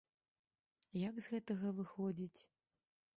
Як з гэтага выходзіць?